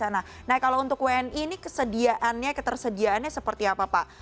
nah kalau untuk wni ini kesediaannya ketersediaannya seperti apa pak